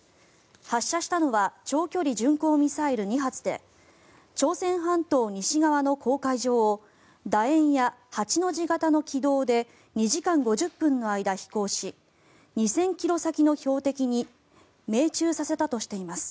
発射したのは長距離巡航ミサイル２発で朝鮮半島西側の黄海上をだ円や８の字型の軌道で２時間５０分の間飛行し２０００ｋｍ先の標的に命中させたとしています。